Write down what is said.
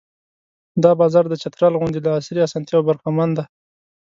دا بازار د چترال غوندې له عصري اسانتیاوو برخمن دی.